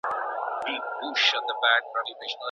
که غیر قانوني ښکار بند سي، نو وحشي حیوانات نه ورک کیږي.